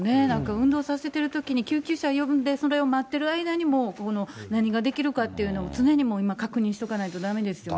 運動させているときに、救急車呼んで、それを待ってる間にももうここで何ができるかっていうのを、常に確認しておかないとだめですよね。